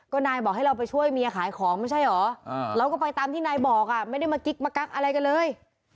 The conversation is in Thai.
ก็นายบอกให้เราไปช่วยเมียขายของไม่ใช่เหรอเราก็ไปตามที่นายบอกไม่ได้มากิ๊กมากักอะไรกันเลย